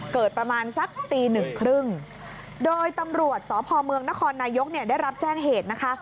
เกิดประมาณสักตีหนึ่งครึ่งโดยตำรวจสพเมืองนครนายกเนี่ยได้รับแจ้งเหตุนะคะ